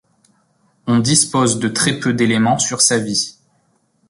On dispose de très peu d'éléments sur sa vie.